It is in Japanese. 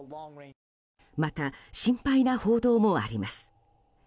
また、心配な報道もあります。